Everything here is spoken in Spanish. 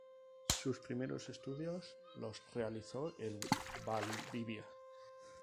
Sus primeros estudios los realizó en Valdivia.